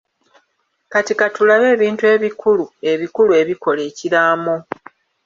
Kati katulabe ebintu ebikulu ebikulu ebikola ekiraamo.